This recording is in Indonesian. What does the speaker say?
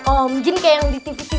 om jun kaya yang di tv tv aja